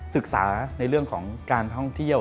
ศึกษาในเรื่องของการท่องเที่ยว